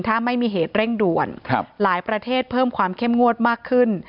ถ้าไม่มีเหตุเร่งด่วนหลายประเทศเพิ่มความเข้มงวดมากขึ้น